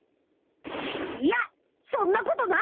いやそんなことない！